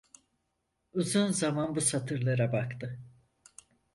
Uzun zaman bu satırlara baktı.